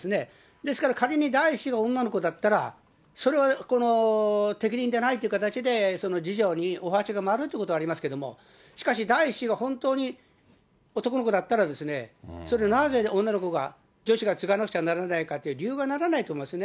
ですから仮に第１子が女の子だったら、それはこの適任ではないってことで次女にお鉢が回るということはありますけれども、しかし第１子が本当に男の子だったらですね、なぜ女の子が、女子が継がなくちゃならないかって理由にならないと思いますね。